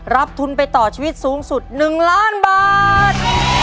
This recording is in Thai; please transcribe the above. รับทุนไปต่อชีวิตสูงสุด๑ล้านบาท